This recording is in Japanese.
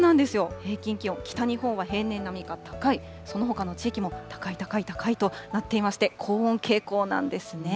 平均気温、北日本は平年並みか高い、そのほかの地域も高い、高い、高いとなっていまして、高温傾向なんですね。